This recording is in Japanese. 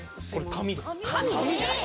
紙です。